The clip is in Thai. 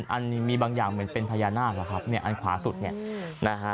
อันมีบางอย่างเหมือนเป็นพญานาคล่ะครับอันขวาสุดเนี่ย